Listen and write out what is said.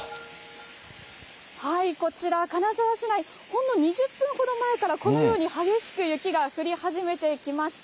こちら金沢市内、ほんの２０分ほど前から、このように激しく雪が降り始めてきました。